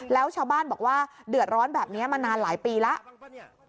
แล้วชาวบ้านบอกว่าเดือดร้อนแบบนี้มานานหลายปีแล้ว